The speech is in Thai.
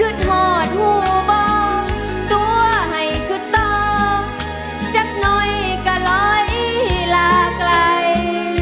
ขึ้นหอดหัวบอกตัวให้ขึ้นต่อจากน้อยก็ร้อยลากลาย